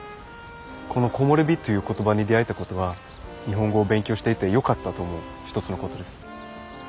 この「木漏れ日」という言葉に出会えたことは日本語を勉強していてよかったと思う一つのことです。